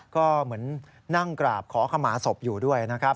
ก็เหมือนนั่งกราบขอขมาศพอยู่ด้วยนะครับ